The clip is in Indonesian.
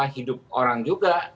hidup orang juga